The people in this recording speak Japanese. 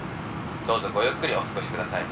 「どうぞごゆっくりお過ごしください」